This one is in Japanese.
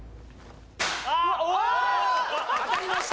当たりました